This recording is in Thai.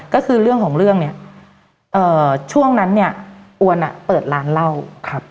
ก็คือเรื่องของเรื่องเนี่ยช่วงนั้นเนี่ยอวลเปิดร้านเหล้า